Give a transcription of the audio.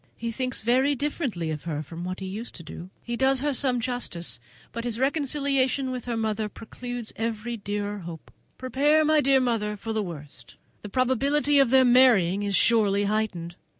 He thinks very differently of her from what he used to do; he does her some justice, but his reconciliation with her mother precludes every dearer hope. Prepare, my dear mother, for the worst! The probability of their marrying is surely heightened!